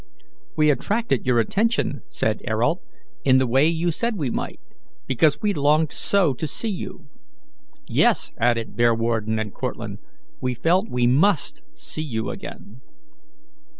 "We attracted your attention," said Ayrault, "in the way you said we might, because we longed so to see you." "Yes," added Bearwarden and Cortlandt, "we felt we MUST see you again."